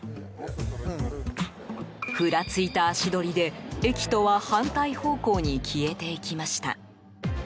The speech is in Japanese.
ふらついた足取りで駅とは反対方向に消えていきました。